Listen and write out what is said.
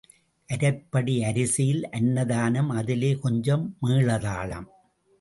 அரைப்படி அரிசியில் அன்னதானம் அதிலே கொஞ்சம் மேளதாளம்.